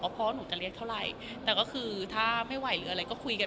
พ่อหนูจะเรียกเท่าไหร่แต่ก็คือถ้าไม่ไหวหรืออะไรก็คุยกัน